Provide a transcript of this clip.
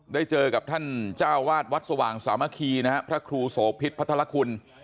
ได้เจอกับท่านเจ้าวาดวัดสว่างสามัคคีนะฮะพระครูโสพิษพัทรคุณ